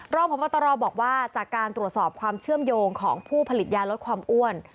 รองพบตรบอกว่าจากการตรวจสอบความเชื่อมโยงของผู้ผลิตยาลดความอ้วน